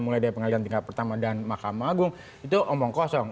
pada pengadilan tingkat pertama dan makam agung itu omong kosong